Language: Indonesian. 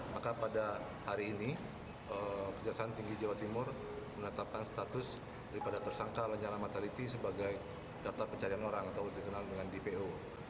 maka pada hari ini kejaksaan tinggi jawa timur menetapkan status daripada tersangka lanyala mataliti sebagai daftar pencarian orang atau dikenal dengan dpo